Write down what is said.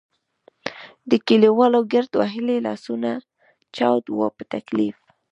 د کلیوالو ګرد وهلي لاسونه چاود وو په تکلیف.